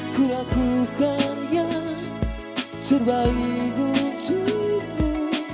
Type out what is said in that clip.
ku lakukan yang terbaik untukmu